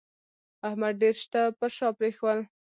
احمد ډېر شته پر شا پرېښول